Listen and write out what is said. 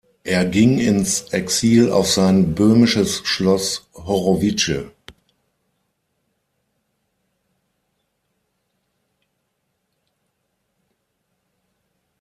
Er ging ins Exil auf sein böhmisches Schloss Hořovice.